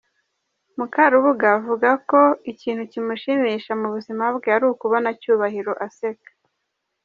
Mukarubuga avuga ko ikintu kimushimisha mu buzima bwe ari ukubona Cyubahiro aseka.